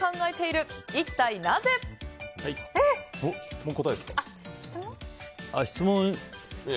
もう答えですか？